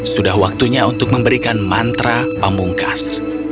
sudah waktunya untuk memberikan mantra pamungkas